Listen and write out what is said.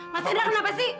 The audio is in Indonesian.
mas sandra kenapa sih